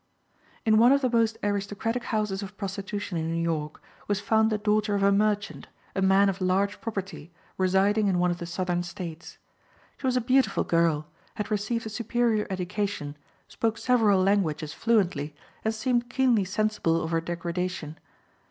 In one of the most aristocratic houses of prostitution in New York was found the daughter of a merchant, a man of large property, residing in one of the Southern states. She was a beautiful girl, had received a superior education, spoke several languages fluently, and seemed keenly sensible of her degradation.